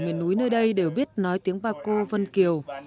các giáo viên ở miền núi nơi đây đều biết nói tiếng bà cô vân kiều